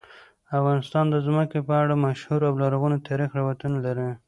افغانستان د ځمکه په اړه مشهور او لرغوني تاریخی روایتونه لري.